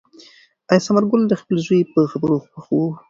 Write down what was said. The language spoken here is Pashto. آیا ثمر ګل د خپل زوی په خبرو خوښ شو؟